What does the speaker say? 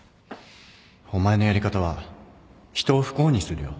お前のやり方は人を不幸にするよ